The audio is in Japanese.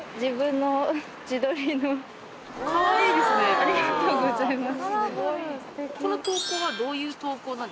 ありがとうございます。